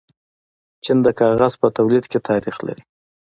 چین د کاغذ په تولید کې تاریخ لري.